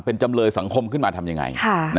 เป็นจำเลยสังคมขึ้นมาทำยังไง